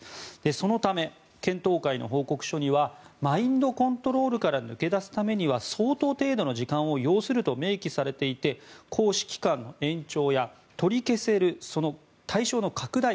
そのため、検討会の報告書にはマインドコントロールから抜け出すためには相当程度の時間を要すると明記されていて行使期間の延長や取り消せる対象の拡大